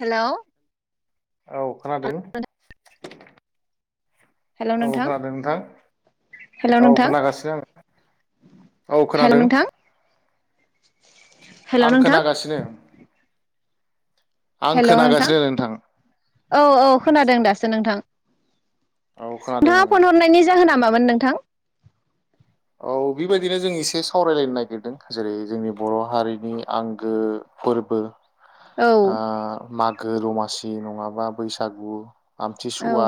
Hello, औ खोनादों hello औ नोंथां खोनादों नोंथां हेलौ औ नोंथां खोनागासिनो आङो औ हेलौ खोनादों नोंथां हेलौ आं नोंथां खोनागासिनो। आं हेल नोंथां खोनागासिनो औ औ खोनादों दासो नोंथां औ खोनादों नोंथाङा आङो फन हरनायनि जाहोना मा मोन नोंथां औ बेबायदिनो जों एसे सावरायलायनो नागिरदों । जेरै जोंनि बर' हारिनि आंगो फोरबो औ आ माग गो दमासि नङाबा बैसागु आमथिसुवा,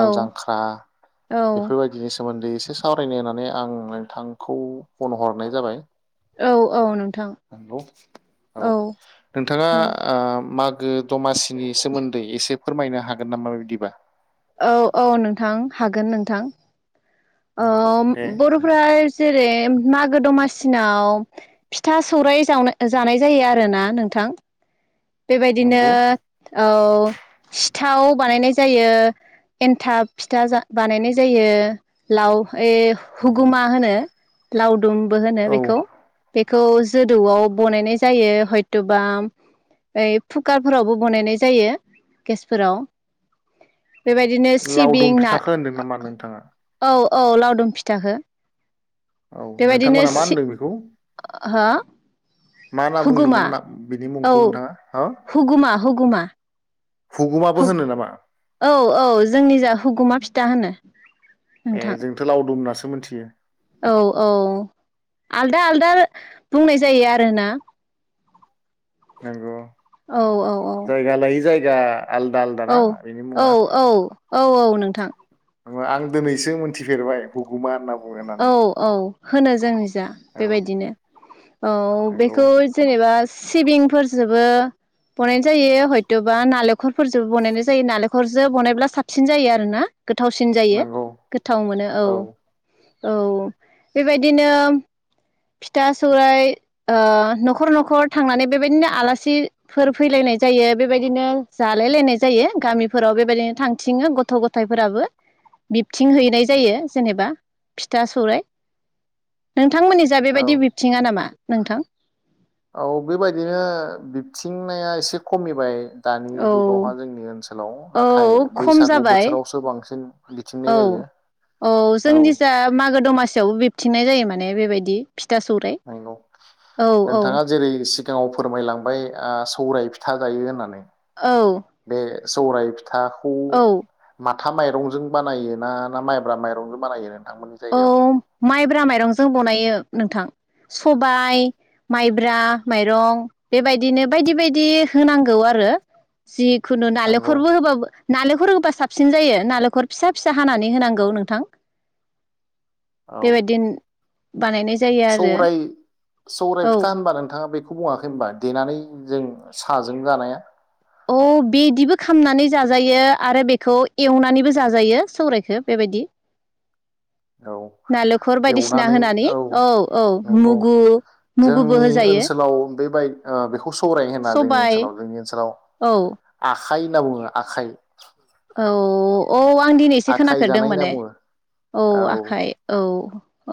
औ जांख्रा औ बेफोरबायदिनो सोमोन्दै एसे सावरायनो होननानै आं नोंथांखौ फन हरनाय जाबाय । औ औ नोंथां औ नोंथाङा औ आ मागो दमासि बिनि सोन्दै एसे फोरमायनो हागोन नामा बेबायदिबा? औ औ नोंथां हागोन नोंथां नंगौ दे ओ बर'फ्रा जेरै मागो दमासिनाव फिथा, सौराइ जावना-ओ जानाय जायो आरो ना नोंथां। बेबायदिनो नंगौ औ सि थाव बानायनाय जायो एन्थाब फिथा जा बानायनाय जायो लाव ए नंगौ हुगुमा होनो लावद दुमबो होनो औ बेखौ बे खौ जोदौआव बनायनाय जायो हयट'बा औइ फुकारफोरावबो बनायनाय जायो गेसफोराव। बेबायदिनो सिबिं लावदुम ना फिथाखौ होनदों नामा नोंथाङा? औ औ लावदुम फिथाखो औ बेबायदिनो नोंथांमोना मा सि होनदों बेखौ हो मा ना हुगुमा बुंदोंमोन ना बिनि औ मुंखौ नोंथाङा हो? हुगुमा हुगुमा हुगुमाबो होनो नामा? औ औ जोंनि जा हुगुमा फिथा होनो । ए जोंथ लावदुम होननासो मोनथियो औ औ आलदा आलदा बुंनाय जायो आरोना नंगौ। औ औ औ जा औ औ औ औ औ नों थां आं दिनैसो मिथिफेरबाय हुगुमा होनना बु औ औ होनो जों औ बेबायदिनो औ नंगौ बेखौ जेनेबा सिबिंफोरजोबो बनायनाय जायो हयथबा नालेंख नखरफोरजोंबो बानायनाय जायो नालेंखरजों बनायब्ला साबसिन जायो आरो ना। गोथावसिन जायो नंगौ गोथाव मोनो औ औ बेबायदिनो फिथा सौराय ओ न'खर न'खर थांनानै बेबायदिनो आलासिफोर फैलायनाय जायो बेबायदिनो जालाय लायनाय जायो गामिफोराव बेबायदिनो थांथिङो गथ' गथायफोराबो बिबथिं हैनाय जायो जेनेबा फिथा सौराय ‌।नोंथांमोननि जाय औ बेबायदि बिबथिङा नामा नोंथां औ बेबायदिनो बिबथिंनाया एसे खमिबाय दानि औ जुगावहा जोंनि ओनसोलाव नाथाय औ खम बैसागु जाबाय बोथोरावसो बांसिन बिबथिंनाय औ औ जायो औ थिंनाय जायो माने बेबायदि फिथा सौराइ नंगौ औ औ नोंथाङा जेरै सिगाङाव फोरमायलांबाय आ सौराय फिथा जायो होननानै औ सौराइ फिथाखौ औ मा था माइरंजों बानायोना ना माइब्रा माइरंजों बानायो नों औ माइब्रा माइरंजों बनायो नोंथां सबाय माइब्रा माइरं बेबायदिनो बायदि बायदि होनांगौ आरो जि खुनु नंगौ नालेंखरबो होबाबो नालेखर होबा साबसिन जायो नालेखर फिसा फिसा हानानै होनांगौ नोंथां। औ बेबायदिनो। बानायनाय जा सौराय सौराय फिथा होनबा नोंथाङा बे खौ बुङाखै होनबा देनानै जों साजों जानाया? औ बिदिबो खामनानै जाजायो आरो बेखौ एवनानैबो जाजायो सौरायखौ बेबायदि। औ नालेखर बायदिसिना होनानै औ औ नंगौ मुगु मुगुबो होजायो। बेबाय ओ बेखौ स सौराय होनना जोंनि सबाय ओनोलाव जोंनि ओनोलाव औ आ आखाइ होनना बुङो आखाइ। औ अ आं आं दिनैसो आखाइ खोनाफेरदों जानाय होनना माने बुङो औ आखाइ औ।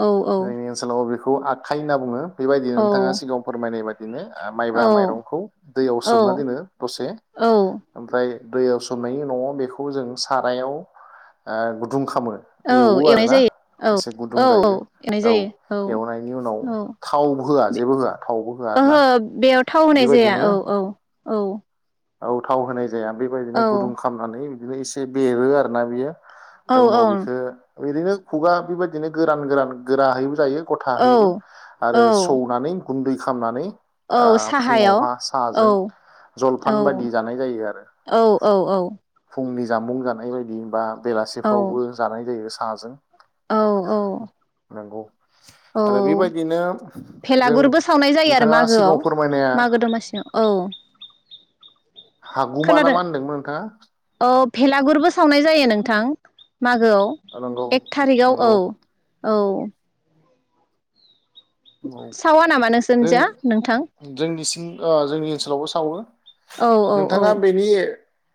औ औ आरैनि ओनसोलाव बेख खौ आखाइ होनना बुङो। बेबायदि औ नोंथाङा सिगाङाव फोरमायनायबादि बिदिनो ओ औ माइब्रा माइरंखौ दैयाव सोमना दोनो दसे औ ओमफ्राय दैयाव सोमनायनि उनाव बेखौ जों सारायाव ओ गुदुं खा खामो औ एवो एवनाय आरोना जायो औ एसे औ गुदुं औ जायो। एवनाय औ जायो एवनायनि उनाव औ थाव होआ जेबो होआ थावबो होआ आरोना। ओहो बेयाव थाव होननाय जाया औ बेबायदिनो औ। औ औ थाव होनाय जा जाया बेबायदिनो औ गुदुं खामनानै बिबो एसे बेरो आरो ना बियो। औ उनाव बेखो। इरैनो खुगा बेबायदिनो गोरान गोरान गोराहैबो जायो। गथाहैबो औ आरो औ सौनानै। गुन्दै खामनानै। औ ओ साहायाव फुङावहा औ साहाजों जल औ औ औ औ। फुंनि जामबुं जानाय बायदि बा। औ बेलासिफ्रावबो जानाय जायो। आजों। औ औ। औ आरो बेबायदिनो जों भेलागुरबो सावनाय जायो आरो नोंथाङा सिगाङाव मागोआव फोरमायनाया मागो दमासिआव औ। हागुमा ना खोनादों मा होनदोंमोन नोंथाङा? औ भेलागुरबो सावनाय जायो नोंथां। नंगौ मागोआव एक थारिखाव औ नंगौ औ। औ सावा नामा नोंसोरनिजा नोंथां? अ जोंनि ओनसोलावबो सावो। औ औ औ नोंथाङा बेनि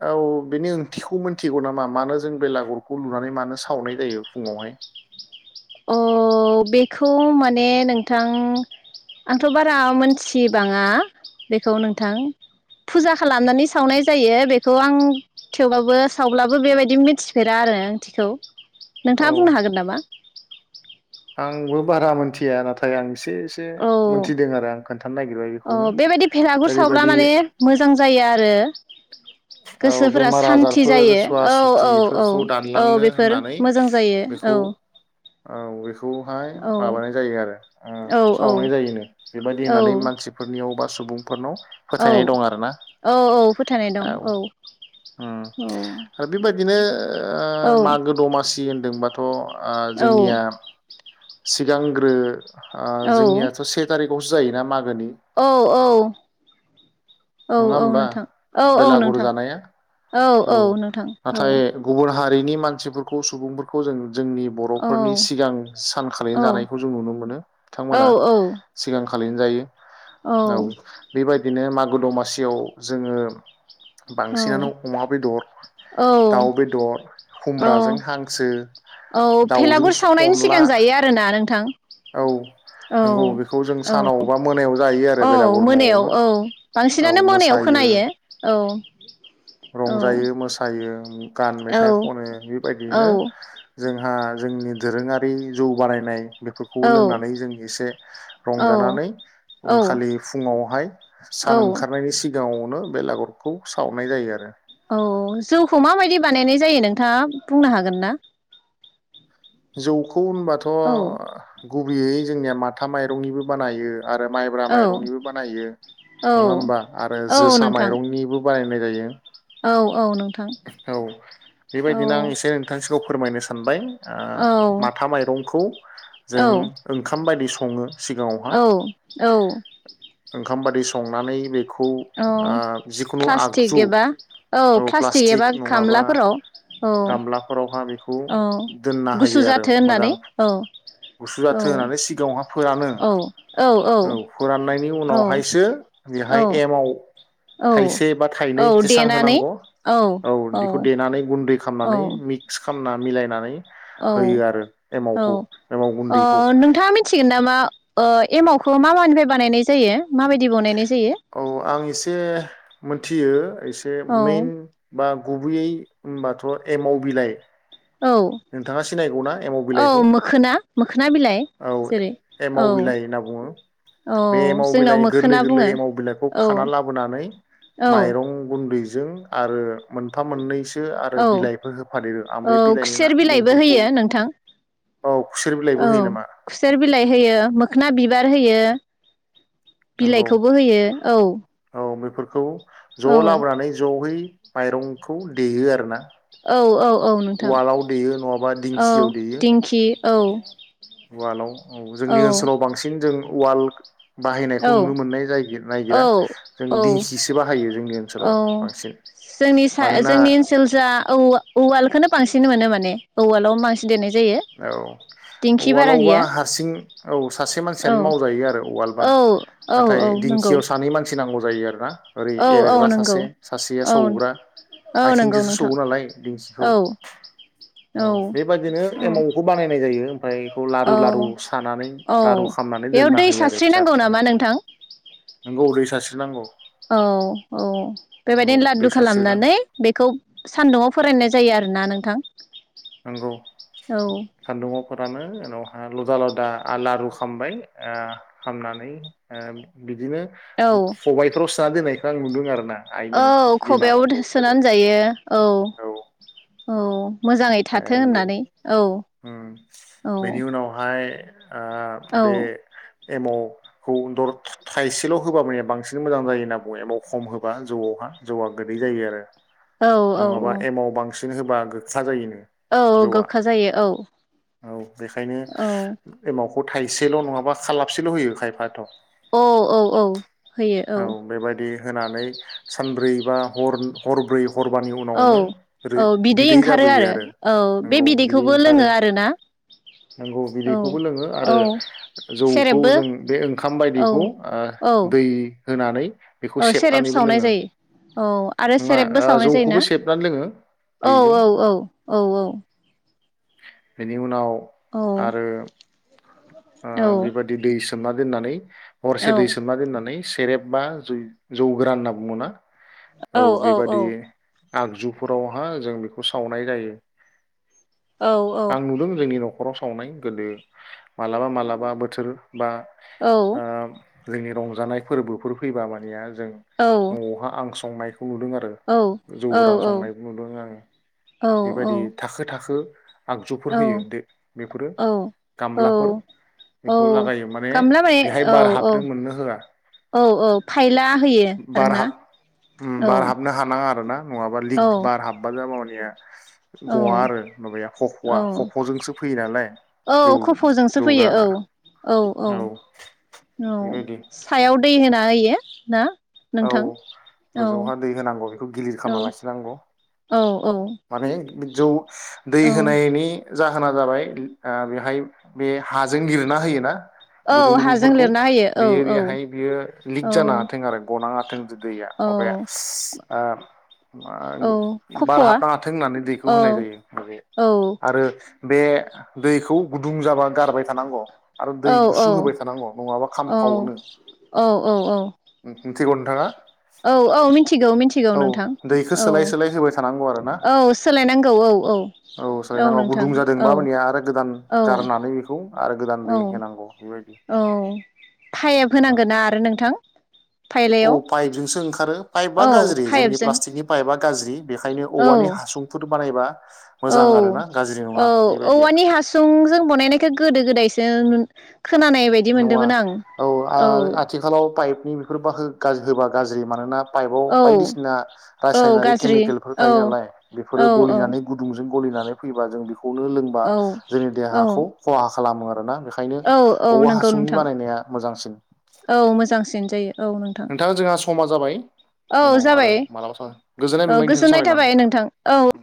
औ बेनि ओंथिखौ मोनथिगौ नामा मानो जों बेलागुरखौ लुनानै मानो सावनाय जायो फुङावहाय? अ बेखौ माने नोंथां आंथ' बारा मोनथिबाङा बेखौ नोंथां फुजा खालामनानै सावनाय जायो बेखौ आं थेवबाबो सावब्लाबो बेबायदि मिथिफेरा आरो ओंथिखौ औ ।नोंथाङा बुंनो हागोन नामा? आंबो बारा मोनथिया नाथाय आं एसे एसे मोनथिदों आरो आं खोन्थानाय अ बेबायदि भेलागुर सावब्ला माने मोजां जायो आरो औ गोसोफोरा बेमार सान्थि आजारफोर जायो सुवा औ औ औ सुतिफोरखौ औ दानलांनो बेफोर होननानै मोजां जायो औ बेखौ बेखौहाय औ माबानाय जायो आरो। औ औ सावनाय जायोनो बेबायदि औ होननानै मानसिफोरनियावबा [unintelligible] औ औ औ फोथानाय दं। औ ओम औ आरो बेबायदिनो औ मागो दमासि दोंबाथ अ औ जोंनिया सिगांग्रो जोंनियाथ से थारिखयावसो जायोना। मागोनि औ औ। औ नङा औ होमबा नोंथां औ औ बेलागुर नोंथां जानाया औ औ नोंथां औ। नाथाय गुबुन हारिनि मानसिफोरखौ सुबुंफोरखौ जों जोंनि औ बर'फोरनि सिगां सानखालिनो औ जानायखौ जों नुनो मोनो बिथांमोना सिगां खालिनो जायो। औ बेबायदिनो गु दमा दमासियाव जोङो बांसिनानो अमा बेदर औ दाउ बेदर औ खुमब्राजों हांसो औ भेलागुर दाउजोंस सावनायनि अनला सिगां जायो आरोना नोंथां औ औ नंगौ बेखौ जों औ सानाव बा मोनायाव जायो औ आरो बेलागुर मोनायाव न'आवनो । औ बांसिनानो मोनायाव खोनायो औ औ ओम गान औ मेथाइ खनो औ बेबायदियैनो जोंहा जोंनि दोरोङारि जौ बानायनाय बेफोरखौ औ लोंनानै जों एसे रंजानानै औ औ उनखालि फुङावहाय औ सान ओंखारनायनि सि सिगाङावनो बेलागुरखौ सावनाय जायो आरो । औ जौखौ माबायदि बानायनाय जायो नोंथाङा बुंनो हागोन ना? जौ ग होनबाथ औ गुबैयै जोंनिया माथा माइरंनिबो बानायो । आरो माइब्रा औ माइरंनिबो बानायो औ नङा होमबा आरो औ जोसा नोंथां माइरंनिबो बानाय होनाय जायो औ औ नों औ बेबायदिनो आं एसे नोंथां खौ फोरमायनो सानबाय ओ औ माथा माइरंखौ जों औ ओंखाम बायदि स सङो। सिगाङावहा औ औ ओंखाम बादि संनानै बे औ प्लास्टिक एबा औ प्लास्ट [unintelligible] प्लास्टिक एबा नङाबा घामलाफोराव औ गामलाफोरावहा बेखौ औ दोनना होयो गुसु आरो जाथो होननानै मोजां औ गुसु औ जाथो होननानै सिगाङावहा फोरानो औ औ फोराननायनि औ उनावहायसो बेहाय औ एमाव औ थाइसे बा औ थाइनै जेसां देनानै होनांगौ औ बेखौ देनानै औ खामनानै मिक्स खामना मिलायनानै होयो आरो एमावखौ एमाव अ गुन्दैखौ नोंथाङा मिथिगोन नामा। ङा ओ एमावखौ मा मानिफ्राय बानायनाय जायो माबायदि बनायनाय जाय औ आं एसे मोनथियो एसे औ मेन बा गुबैयै होमबाथ एमाव बिलाइ औ नोंथाङा सिनायगौ ना एमाव औ बिलाइखौ। मोखोना मोखोना बिलाइ औ जेरै औ एमाव बिलाइ ओनना बुङो बे औ एमाव जोंनाव बिलाइ गोरलै मोखोना गोरलै बुङो एमाव बिलाइखौ औ खाना लाबोनानै औ माइरं गुन्दै। जों आरो मोनफा मोननैसो [unintelligible] आरो औ बिलाइफोर होफादेरो आं औ बे बिलाइनि खुसेर बिलाइबो ना-मुंफोरखौ होयो नोंथां औ खुसेर बिलाइबो औ होयो नामा। खुसेर बिलाइ होयो मोखोना बिबार होयो। बिलाइखौबो होयो औ। फोरखौ ज औ लाबोनानै जहै। माइरंखौ देयो आरो ना। औ औ औ नोंथां नङाबा औ दिंखियाव देयो दिंखि औ। उवालाव औ जोंनि ओनसोलाव बांसिन जों वाल। औ औ जों औ दिंखिसो बाहायो जोंनि ओनसोलाव औ बांसिन जोंनि सा मानोना जोंनि ओनसोल जा औ-औवालखौनो बांसिन मोनो माने औवालआवनो बांसिन देननाय जायो। औ दिंखि बारा उवालावबा गैया हारसिं औ सासे मानसियानो औ मावजायो आरो उवाल। बा औ औ नाथाय औ नंगौ दिंखियाव सानै मानसि नांगौ जायो आरोना। ओरै औ औ एरग्रा नंगौ सासे सासेया औ सौग्रा औ नंगौ आथिंजोंसो नोंथां सौवो नालाय दिंखिखौ औ औ बेबादिनो। औ एमावखौ बानायनाय जायो ओमफ्राय बेखौ औ लारु लारु सानानै औ लारु खालामनानै बेयाव दोनना दै होयो आरो फिसा सारस्रिनांगौ फिसाहै। नामा नोंथां नोंगौ दै सास्रि नांगौ। औ औ बेबायदिनो दै लाधु सारस्रिनानै खालामनानै बेखौ सानदुङाव फोराननाय जायो आरोना नों थां नंगौ सान्दुङाव फोरानो उनाव आ लदा लदा आ लारु खामबाय आ खामनानै आ बि दिनो औ खबायफोराव सो सोना दोननायखौ आं नुदों आरो ना। औ आइमोन खबायाव बिमामोनखौ गोदो सोनानै जायो औ। औ मोजाङै थाथों होननानै औ औ बेनि उनावहाय ओ औ बे एमावखौर थाइसेल' होबा मया बांसिन मोजां जायो होनना बुङो एमाव खम होबा जौआवहा जौआ गोदै जायो आरो औ नङाबा औ एमाव बां बांसिन होबा गोखा जायोनो औ जौआ गोखा जायो औ औ बेखायनो औ एमाव बेखौ थाइसेल' नङाबा खालाबसेल' होयो खायफाथ' औ औ औ। होयो औ। बेबायदि होनानै सानब्रै बा हरब्रै हरबानि औ उनावनो औ बिदै ओंखारो जाबोयो आरो औ बे नंगौ बिदै बिदैखौबो ओंखारो लोङो आरोना नंगौ औ बिदैखौबो लोंङो औ आरो जौखौ सेरेबबो जों बे ओंखाम औ बायदिखौ दै होनानै बेखौ ओ सेरेब सेबनानैबो सावनाय लोङो जायो औ आरो नङा सेरेबबो ओ सावनाय जायो जौखौबो ना सेबनानै लोङो औ औ औ औ औ बिनि उनाव औ आरो आ औ बेबादि दैसा सोमना दोननानै हरसे दै सोमना दोननानै सेरेब बा जै जौगोरा होनना बुङो ना? औ बेबादि आगजुफोरावहा जों बेखौ सावनाय जायो। आं नुदों जोंनि न' नखराव सावनाय गोदो मालाबा मालाबा बोथोर बा ओ जोंनि रंजानाय फोरबोफोर फैबा मानेया जों न'आवहा आं संनाय नुदों आरो जौ गोरान संनायबो औ-औ-औ-औ-औ-औ-औ-औ-औ-औ-औ-औ-औ-औ नुदों आं बेबायदि थाखो थाखो आगजुफोर होयो दे बेफोरो गामलाफोर बेखौ लागायो माने गामला बेहाय औ बार औ हाबनो मोननो होआ। औ औ फायला होयो बार आरोना औ बार हाबनो हानाङा आरोना नङाबा लिक औ बार हाबबा [unintelligible] औ गवा आरो माबाया औ हखवा हखजोंसो फैयो नालाय औ जौ खफ'जोंसो जौ फैयो गोराना औ औ औ औ बेबायदि सायाव दै होना होयो ना? औ नोंथां औ गोजौहा दै होनांगौ बेखौ गिलिर औ खालामना लाखिनांगौ। औ औ माने जौ दै औ होनायनि जाहोना जाबाय ओ बेहाय बे हाजों लिरना होयोना औ गुदुं हाजों गुदुंफोरखौ लिरना होयो औ बियो औ बेहाय बियो लिक औ जानो हाथों आरो गना हाथों दैया औ माबाया ओ मा औ ओ बार खफ'आ हाब हाथों होननानै दैखौ औ होनाय जायो माबे औ आरो बे दैखौ गुदुं जाबा गारबाय थानांगौ आरो औ दै गुसु होबाय थानांगौ नङाबा औ खामफावोनो नो औ औ मिथिगौ नोंथाङा औ औ मिथिगौ मिथिगौ औ नोंथां दैखौ औ सोलाय सोलाय होबाय थानांगौ आरो औ सोलायनांगौ औ औ औ सोलायनांगौ नोंथां गुदुं औ जादोंबा हनै आरो गोदान औ गारनानै बेखौ आरो गोदान औ दै होनांगौ बेबायदि औ फायेप नोंथां होनांगोन ना आरो नोंथां? फायलायाव औ पाइपजोंसो ओंखारो पाइपा औ गाज्रि जोंनि पाइपजों प्लास्टिकनि पाइपआ गाज्रि बेखायनो औ औवानि हासुंफोर बानायबा औ मोजां आरोना गाज्रि नङा बेबायदि औ-औवानि हासुंजों बानायनायखौ गोदो गोदाय ओं नुन नङा औ आ आथिखालाव पाइपनि बेफोर बाखो गाज्रि होबा गाज्रि मानोना पाइपआव औ बायदिसिना औ रासायनारि गाज्रि केमिकेलफोर औ थायो नालाय औ बेफोरो औ गलिनानै गुदुंजों गलिनानै फैबा जों बेखौनो लोंबा औ जोंनि औ देहाखौ खहा खालामो आरोना बेखायनो औ औ औवा नंगौ हासुंनि नोंथां बानायनाया औ मोजांसिन जायो। औ नोंथां नोंथा जोंहा समा जाबाय औ उनाव आरो जाबाय मालाबा सम गोजोननाय औ मोनबाय नोंथांजों सावरायनानै। थाबाय नोंथां औ